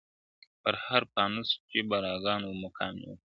پر هر پانوس چي بوراګانو وو مقام نیولی !.